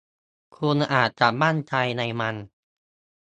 คุณอาจจะมั่นใจในมัน